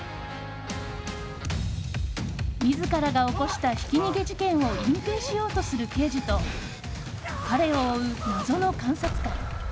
自らが起こしたひき逃げ事件を隠蔽しようとする刑事と彼を追う、謎の監察官。